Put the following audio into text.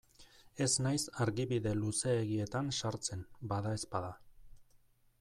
Ez naiz argibide luzeegietan sartzen, badaezpada.